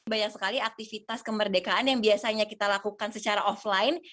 banyak sekali aktivitas kemerdekaan yang biasanya kita lakukan secara offline